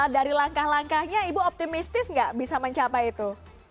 dari langkah langkahnya ibu optimistis nggak bisa mencapai itu